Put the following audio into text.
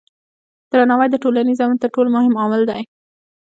درناوی د ټولنیز امن تر ټولو مهم عامل دی.